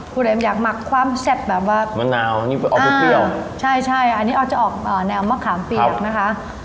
คุณเหลมอยากหมักความแซ่บแบบว่าใช่อันนี้จะออกแนวมะขามเปียกนะคะ